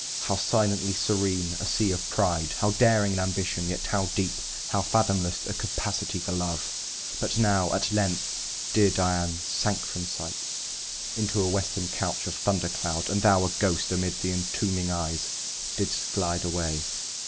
How silently serene a sea of pride! How daring an ambition; yet how deep How fathomless a capacity for love! But now, at length, dear Dian sank from sight, Into a western couch of thunder cloud; And thou, a ghost, amid the entombing trees Didst glide away.